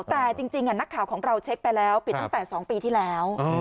แต่จริงนักข่าวของเราเช็คไปแล้วปิดตั้งแต่๒ปีที่แล้ว